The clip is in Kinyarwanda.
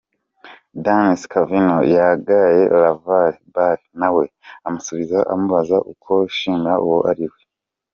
Dan Scavino yagaye LaVar Ball nawe amusubiza amubaza uwo gushimira uwo ari we.